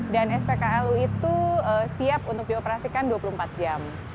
dan spklu itu siap untuk dioperasikan dua puluh empat jam